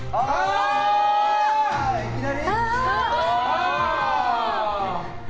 いきなり？